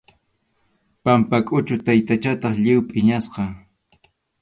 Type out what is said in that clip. Pampakʼuchu taytachataq lliw phiñasqa.